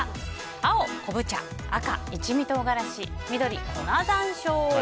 青、昆布茶赤、一味唐辛子緑、粉山椒。